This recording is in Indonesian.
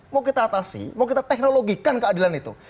mau kita atasi mau kita teknologikan keadilan itu